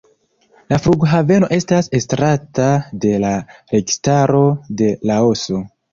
La flughaveno estas estrata de la registaro de Laoso.